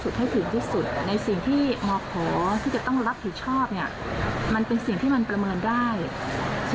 ในเรื่องของราชการได้งานทำได้แน่